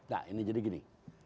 nah ini jadi gini